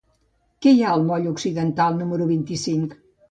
Què hi ha al moll Occidental número vint-i-cinc?